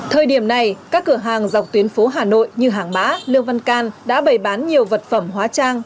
thời điểm này các cửa hàng dọc tuyến phố hà nội như hàng bá lương văn can đã bày bán nhiều vật phẩm hóa trang